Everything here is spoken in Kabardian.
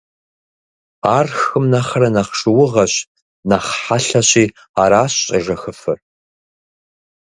Ар хым нэхърэ нэхъ шыугъэщ, нэхъ хъэлъэщи аращ щӏежэхыфыр.